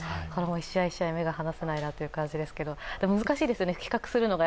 １試合１試合目が離せないなという感じですけど難しいですね、比較するのが。